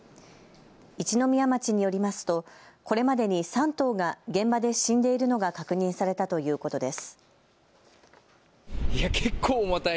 一宮町によりますとこれまでに３頭が現場で死んでいるのが確認されたということです。